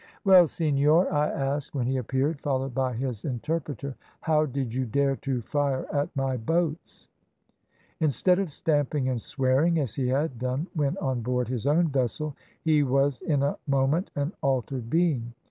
"`Well, senor,' I asked when he appeared, followed by his interpreter, `how did you dare to fire at my boats?' "Instead of stamping and swearing as he had done when on board his own vessel, he was in a moment an altered being.